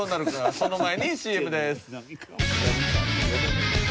その前にＣＭです。